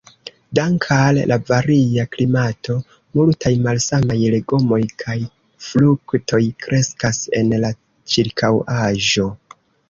Dank' al la varia klimato, multaj malsamaj legomoj kaj fruktoj kreskas en la ĉirkaŭaĵo.